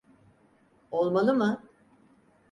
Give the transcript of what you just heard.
Olmalı mı?